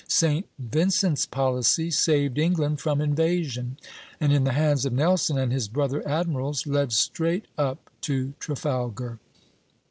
St. Vincent's policy saved England from invasion, and in the hands of Nelson and his brother admirals led straight up to Trafalgar.